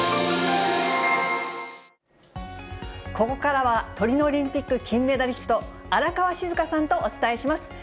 ここからは、トリノオリンピック金メダリスト、荒川静香さんとお伝えします。